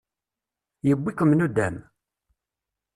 Yewwi-kem nuddam?